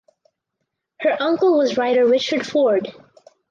Her uncle was writer Richard Ford.